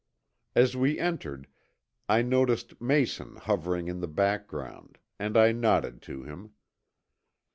As we entered I noticed Mason hovering in the background, and I nodded to him.